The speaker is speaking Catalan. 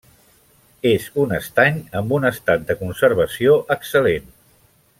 És un estany amb un estat de conservació excel·lent.